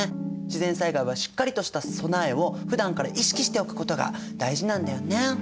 自然災害はしっかりとした備えをふだんから意識しておくことが大事なんだよね。